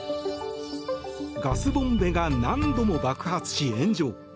ガスボンベが何度も爆発し炎上。